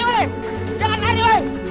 woy jangan lari lo